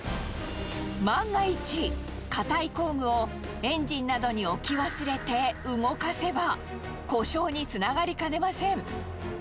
万が一、硬い工具をエンジンなどに置き忘れて動かせば、故障につながりかねません。